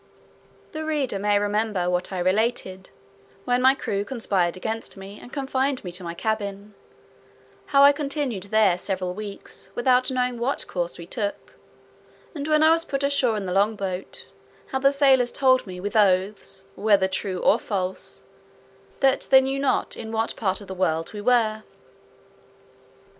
The reader may remember what I related, when my crew conspired against me, and confined me to my cabin; how I continued there several weeks without knowing what course we took; and when I was put ashore in the long boat, how the sailors told me, with oaths, whether true or false, "that they knew not in what part of the world we were."